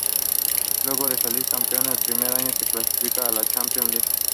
Luego de salir campeón el primer año se clasifican a la Champions League.